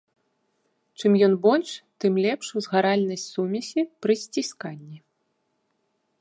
Чым ён больш, тым лепш узгаральнасць сумесі пры сцісканні.